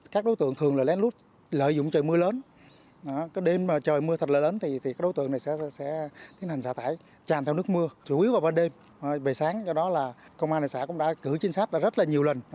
công an đại sản cũng đã cử chính sách rất nhiều lần